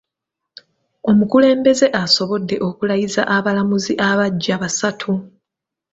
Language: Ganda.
Omukulembeze asobodde okulayizza abalamuzi abagya basatu.